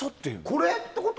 これってこと？